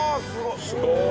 すごい！